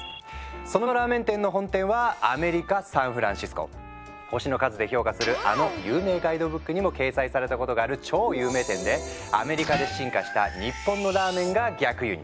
そのラーメン店の本店は星の数で評価するあの有名ガイドブックにも掲載されたことがある超有名店でアメリカで進化した日本のラーメンが逆輸入。